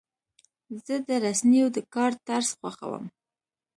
زه د رسنیو د کار طرز خوښوم.